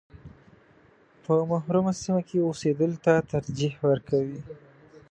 په محرومه سیمه کې اوسېدلو ته ترجیح ورکوي.